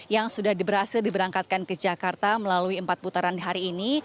yang sudah berhasil diberangkatkan ke jakarta melalui empat putaran hari ini